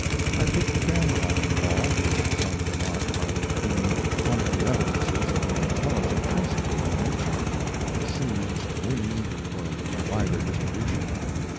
I picked a dandelion ball, with some remark about its being one of the evidences of the intelligent principle in nature the seeds winged for a wider distribution.